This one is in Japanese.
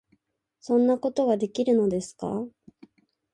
「そんなことができるのですか？」